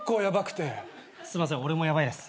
すいません俺もヤバいです。